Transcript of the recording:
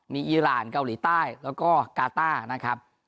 มีอีรานเกาหลีใต้แล้วก็กาต้านะครับ